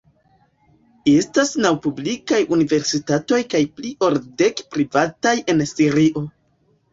Estas naŭ publikaj universitatoj kaj pli ol dek privataj en Sirio.